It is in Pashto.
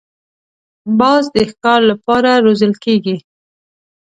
باز د ښکار له پاره روزل کېږي